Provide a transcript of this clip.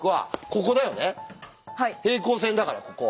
平行線だからここ。